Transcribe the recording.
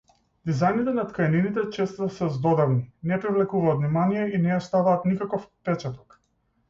Дизајните на ткаенините често се здодевни, не привлекуваат внимание, и не оставаат никаков впечаток.